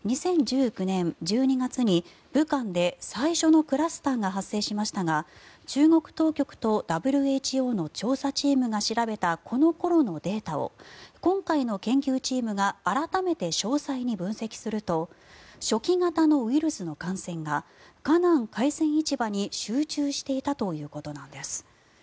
２０１９年１２月に武漢で最初のクラスターが発生しましたが中国当局とＷＨＯの調査チームが調べたこの頃のデータを今回の研究チームが改めて詳細に分析すると初期型のウイルスの感染が華南海鮮市場に集中していたということなんです。